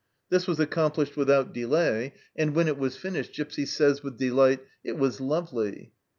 This was ac complished without delay, and, when it was finished, Gipsy says with delight, " It was lovely."